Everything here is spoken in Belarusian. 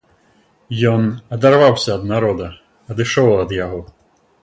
Ён адарваўся ад народа, адышоў ад яго.